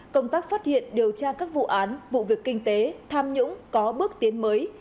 công tác phát hiện điều tra các vụ án vụ việc kinh tế tham nhũng có bước tiến mới